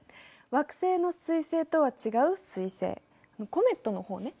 惑星の水星とは違う彗星コメットの方ね。